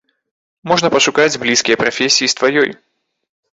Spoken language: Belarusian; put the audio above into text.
Можна пашукаць блізкія прафесіі з тваёй.